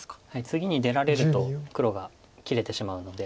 次に出られると黒が切れてしまうので。